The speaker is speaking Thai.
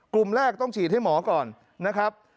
กลุ่มแรกต้องฉีดให้หมอก่อนนะครับ